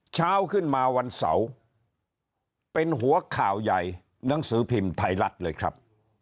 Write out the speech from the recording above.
เช้าขึ้นมาวันเสาร์เป็นหัวข่าวใหญ่หนังสือพิมพ์ไทยรัฐเลยครับ